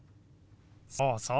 そうそう。